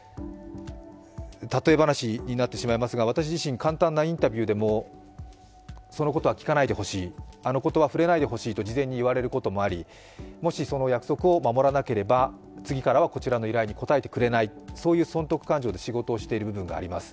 例え話になってしまいますが私自身、簡単なインタビューでもそのことは聞かないでほしい、あのことは触れないでほしいと事前に言われることもあり、もしその約束を守らなければ次からはこちらの依頼に応えてくれない、そういう損得勘定で仕事をしている部分もあります。